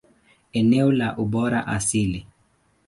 Eneo la ubora asili.